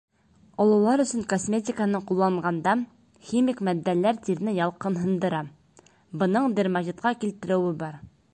Ололар өсөн косметиканы ҡулланғанда химик матдәләр тирене ялҡынһындыра, бының дерматитҡа килтереүе бар.